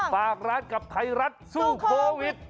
ฝากร้านกับไทยรัฐสู้โควิด